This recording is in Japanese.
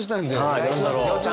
はい。